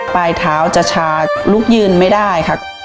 ปลายเท้าจะชาติลุกยืนไม่ได้